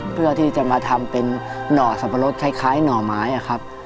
เพื่อที่จะมาทำเป็นหน่อสับปะรดคล้ายหน่อไม้ครับ